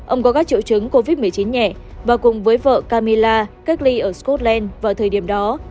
ông có các triệu chứng covid một mươi chín nhẹ và cùng với vợ camelilla cách ly ở scotland vào thời điểm đó